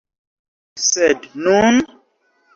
Sed nun?